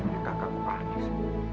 kakak aku pangis